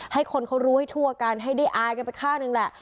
ให้คนเขารู้ให้ทั่วกันให้ได้อายกันไปข้างหนึ่งแหละ